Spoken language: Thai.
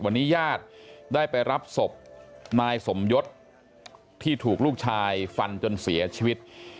วันนี้ญาติได้ไปรับศพนายสมยศที่ถูกลูกชายฟันจนเสียชีวิต